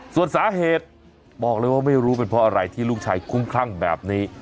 ส่วนสาเหตุบอกเลยว่าไม่รู้เป็นเพราะอะไรที่ลูกชายคุ้มคลั่งแบบนี้